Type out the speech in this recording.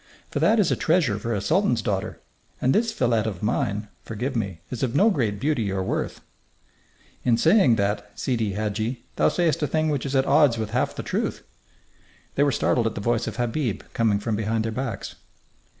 For that is a treasure for a sultan's daughter, and this fillette of mine (forgive me) is of no great beauty or worth " "In saying that, Sidi Hadji, thou sayest a thing which is at odds with half the truth." They were startled at the voice of Habib coming from behind their backs.